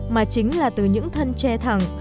mà chính là từ những thân tre thẳng